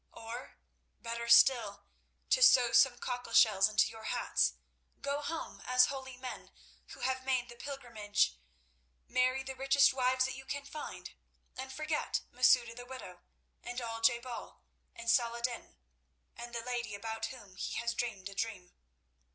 Or, better still, to sew some cockle shells into your hats, go home as holy men who have made the pilgrimage, marry the richest wives that you can find, and forget Masouda the widow, and Al je bal and Salah ed din and the lady about whom he has dreamed a dream.